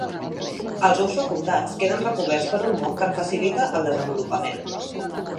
Els ous fecundats queden recoberts per un moc que en facilita el desenvolupament.